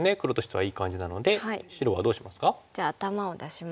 はい。